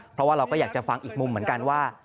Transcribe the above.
เพราะว่าเราก็อยากจะฟังอีกมุมเหมือนกันว่า